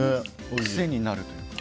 癖になるというか。